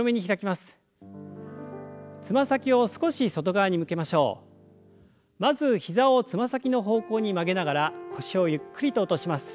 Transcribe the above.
まず膝をつま先の方向に曲げながら腰をゆっくりと落とします。